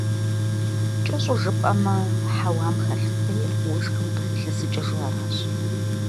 КӀэщӀу жыпӀэмэ, хьэуам хэлъ фӀейр уэшхым къыхилъэсыкӀыжу аращ.